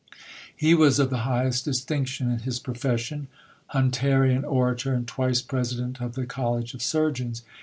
He was of the highest distinction in his profession; Hunterian orator and twice President of the College of Surgeons.